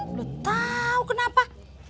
udah tahu kenapa